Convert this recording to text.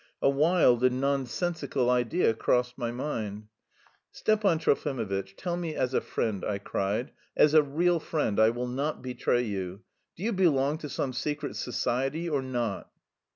A wild and nonsensical idea crossed my mind. "Stepan Trofimovitch, tell me as a friend," I cried, "as a real friend, I will not betray you: do you belong to some secret society or not?"